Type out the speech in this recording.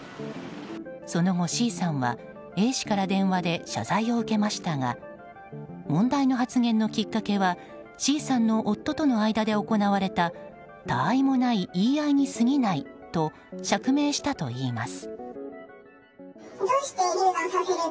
その後、ＣさんはＡ氏から電話で謝罪を受けましたが問題の発言のきっかけはＣさんの夫との間で行われたたわいもない言い合いに過ぎないと釈明したといいます。